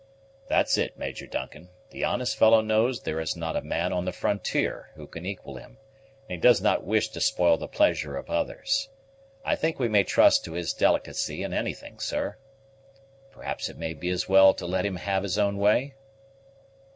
"That's it, Major Duncan; the honest fellow knows there is not a man on the frontier who can equal him, and he does not wish to spoil the pleasure of others. I think we may trust to his delicacy in anything, sir. Perhaps it may be as well to let him have his own way?"